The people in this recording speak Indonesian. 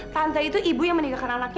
tante itu ibu yang meninggalkan anaknya